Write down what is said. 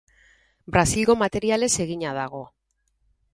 Brasilgo materialez egina dago.